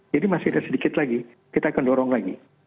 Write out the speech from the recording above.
masih ada sedikit lagi kita akan dorong lagi